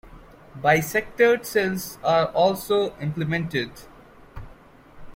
Bisectored cells are also implemented.